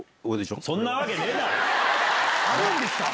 あるんですか？